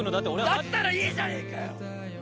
だったらいいじゃねえかよ！